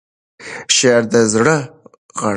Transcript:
شعر د زړه غږ دی.